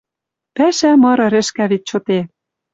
Пӓшӓ мыры рӹшкӓ вет чоте.